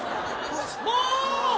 もう！